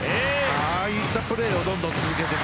ああいったプレーをどんどん続けていく。